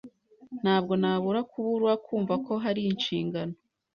Ntabwo nabura kubura kumva ko hari inshingano.